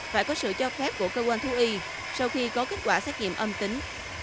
phải có sự cho phép của cơ quan thú y sau khi có kết quả xét nghiệm âm tính